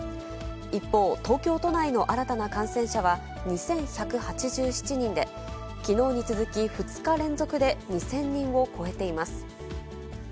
一方、東京都内の新たな感染者は２１８７人で、きのうに続き２日連続で２０００人を超えています。